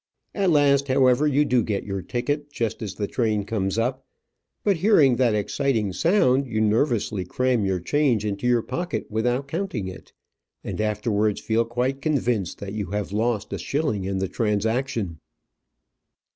At last, however, you do get your ticket just as the train comes up; but hearing that exciting sound, you nervously cram your change into your pocket without counting it, and afterwards feel quite convinced that you have lost a shilling in the transaction.